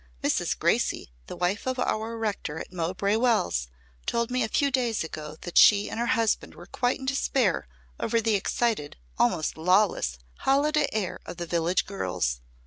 Mrs. Gracey, the wife of our rector at Mowbray Wells told me a few days ago that she and her husband were quite in despair over the excited, almost lawless, holiday air of the village girls.